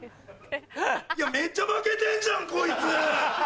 めっちゃ負けてんじゃんこいつ！